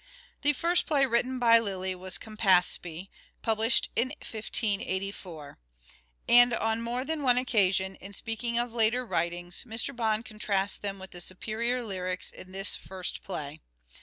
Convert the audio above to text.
The first play written by Lyly was " Campaspe," published in 1584 ; and on more than one occasion, in speaking of later writings, Mr. Bond contrasts them with the superior lyrics in this first play.